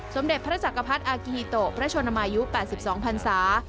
สมเด็จพระจักรพรรดิอากิฮิโตพระชนมายุ๘๒พันศา